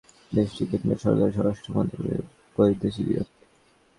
অন্তত তেমনই ইঙ্গিত মিলেছে দেশটির কেন্দ্রীয় সরকারের স্বরাষ্ট্র মন্ত্রণালয়ের বৈদেশিক বিভাগ থেকে।